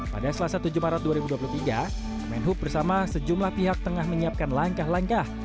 pada selasa tujuh maret dua ribu dua puluh tiga kemenhub bersama sejumlah pihak tengah menyiapkan langkah langkah